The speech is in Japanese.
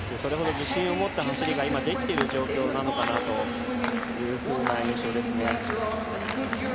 自信を持った走りができている状況なのかなというふうな印象です。